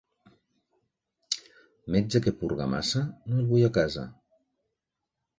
Metge que purga massa, no el vull a casa.